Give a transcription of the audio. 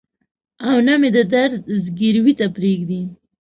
او نه مې د درد ځګروي ته پرېږدي.